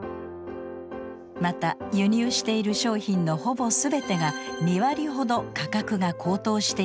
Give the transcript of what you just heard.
また輸入している商品のほぼ全てが２割ほど価格が高騰しています。